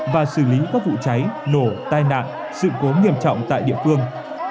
và xử lý các vụ cháy nổ tai nạn sự cố nghiêm trọng tại địa phương